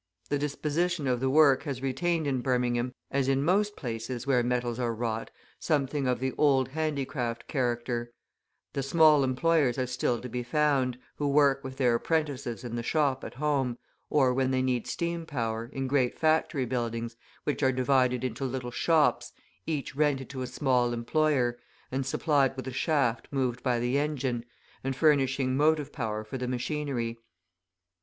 The disposition of the work has retained in Birmingham, as in most places where metals are wrought, something of the old handicraft character; the small employers are still to be found, who work with their apprentices in the shop at home, or when they need steam power, in great factory buildings which are divided into little shops, each rented to a small employer, and supplied with a shaft moved by the engine, and furnishing motive power for the machinery.